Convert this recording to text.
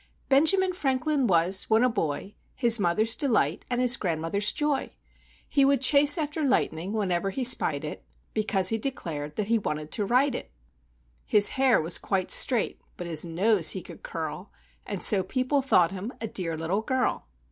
Benjamin Franklin was, when a boy, His mother's delight, and his grandmother's joy; He would chase after lightning wherever he spied it, Because he declared that he wanted to ride it. His hair was quite straight, but his nose he could curl, And so people thought him "a dear little girl!"